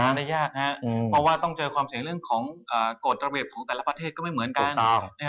ได้ยากครับเพราะว่าต้องเจอความเสี่ยงเรื่องของกฎระเบียบของแต่ละประเทศก็ไม่เหมือนกัน